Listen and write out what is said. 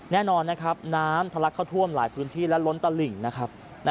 แน่นอนนะครับน้ำทะลักเข้าท่วมหลายพื้นที่และล้นตลิ่งนะครับ